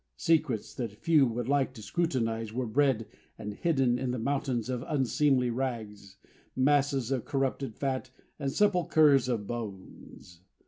Secrets that few would like to scrutinize were bred and hidden in mountains of unseemly rags, masses of corrupted fat, and sepulchres of bones.